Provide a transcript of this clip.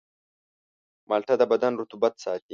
مالټه د بدن رطوبت ساتي.